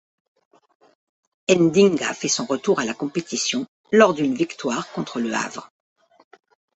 Ndinga fait son retour à la compétition le lors d'une victoire contre Le Havre.